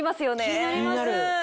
気になります。